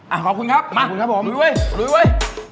อ่ะขอบคุณครับมาลุยเว้ยลุยเว้ย